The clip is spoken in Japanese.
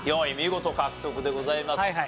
４位見事獲得でございます。